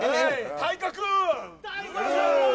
体格！